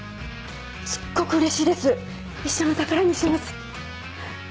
すっごくうれしいです一生の宝にします。